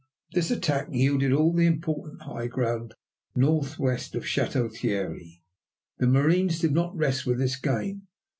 This attack yielded all the important high ground northwest of Château Thierry. The marines did not rest with this gain.